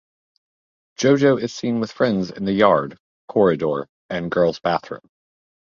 JoJo is seen with friends in the yard, corridor and girls' bathroom.